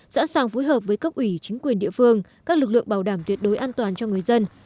sẵn sàng phối hợp với cấp ủy chính quyền địa phương các lực lượng bảo đảm tuyệt đối an toàn cho người dân